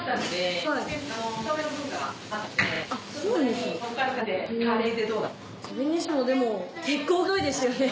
それにしてもでも結構太いですよね。